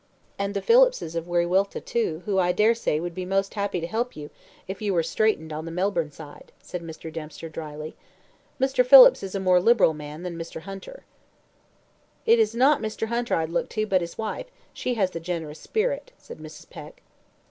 "And the Phillipses, of Wiriwilta, too, who I dare say, would be most happy to help you if you were straitened on the Melbourne side," said Mr. Dempster, drily. "Mr. Phillips is a more liberal man than Mr. Hunter." "It is not Mr. Hunter I'd look to, but his wife; she has the generous spirit," said Mrs. Peck.